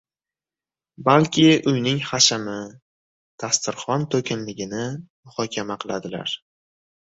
balki uyning hashami, dasturxon to‘kinligini muhokama qiladilar.